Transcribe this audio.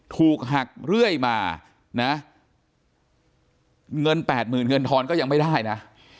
ถูกหักเรื่อยมานะเงินแปดหมื่นเงินทอนก็ยังไม่ได้นะ